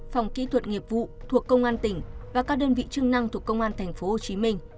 phòng kỹ thuật nghiệp vụ thuộc công an tỉnh và các đơn vị chương năng thuộc công an tp hồ chí minh